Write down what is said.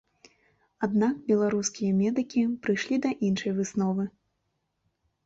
Аднак беларускія медыкі прыйшлі да іншай высновы.